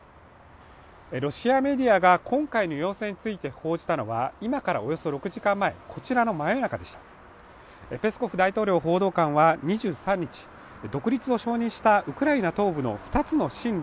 ロシアメディアが今回の様子について報じたのは今からおよそ６時間前こちらの真夜中でしたペスコフ大統領報道官は２３日独立を承認したウクライナ東部の２つの親